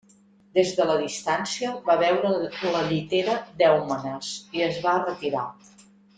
Des de la distància va veure la llitera d'Èumenes i es va retirar.